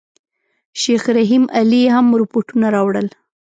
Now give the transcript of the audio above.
شیخ رحیم علي هم رپوټونه راوړل.